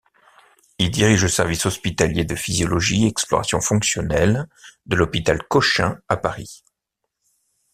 Il dirige le service hospitalier de Physiologie-Explorations Fonctionnelles de l’hôpital Cochin à Paris.